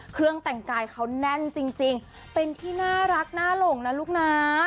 เครื่องแต่งกายเขาแน่นจริงเป็นที่น่ารักน่าหลงนะลูกนะ